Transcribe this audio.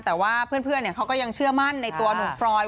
แต่ว่าเพื่อนเขาก็ยังเชื่อมั่นในตัวหนุ่มฟรอย